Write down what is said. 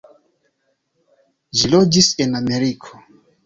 Ĝi loĝis en Ameriko.